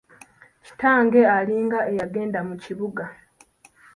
Kitange alinga eyagenda mu kibuga.